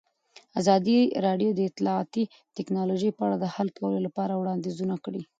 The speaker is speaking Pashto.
ازادي راډیو د اطلاعاتی تکنالوژي په اړه د حل کولو لپاره وړاندیزونه کړي.